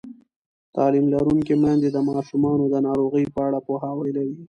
تعلیم لرونکې میندې د ماشومانو د ناروغۍ په اړه پوهاوی لري.